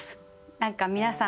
「何か皆さん